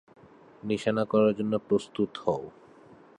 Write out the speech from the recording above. নিশানা করার জন্য প্রস্তুত হও!